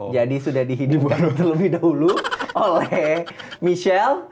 jadi sudah dihidupkan terlebih dahulu oleh michelle